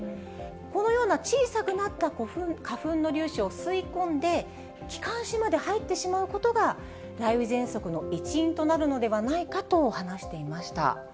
このような小さくなった花粉の粒子を吸い込んで、気管支まで入ってしまうことが雷雨ぜんそくの一因となるのではないかと話していました。